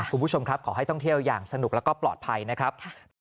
คุณผู้ชมครับขอให้ท่องเที่ยวอย่างสนุกแล้วก็ปลอดภัยนะครับ